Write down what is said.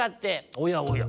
おやおや。